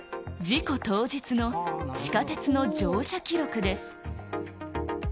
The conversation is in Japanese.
事故当日の地下鉄の乗車記録です。